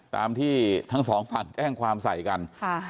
ตามที่ทั้งสองฝั่งแจ้งความใส่กัน